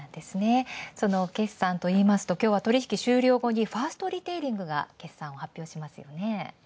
その決算といいますと今日は取引終了後にファーストリテイリングが決算を発表しますよね。